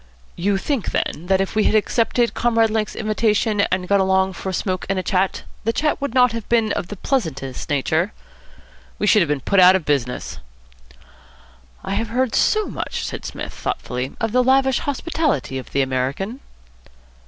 "You think, then, that if we had accepted Comrade Lake's invitation, and gone along for a smoke and a chat, the chat would not have been of the pleasantest nature?" "We should have been put out of business." "I have heard so much," said Psmith, thoughtfully, "of the lavish hospitality of the American."